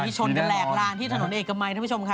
ชนกันแหลกลานที่ถนนเอกมัยท่านผู้ชมค่ะ